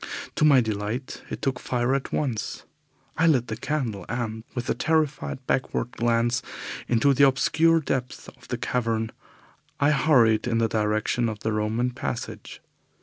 To my delight it took fire at once. I lit the candle, and, with a terrified backward glance into the obscure depths of the cavern, I hurried in the direction of the Roman passage.